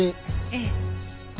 ええ。